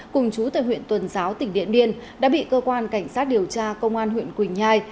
cùng chú tại huyện tuần giáo tỉnh điện biên đã bị cơ quan cảnh sát điều tra công an huyện quỳnh nhai